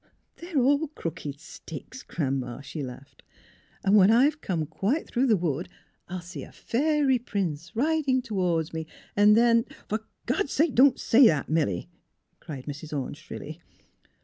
'* They're all crooked sticks. Gran 'ma," she laughed, '' and when I've come quite through the wood I'll see a fairy prince, riding toward me, and then "*' For God's sake, don't say that, Milly! " cried Mrs. Orne, shrilly.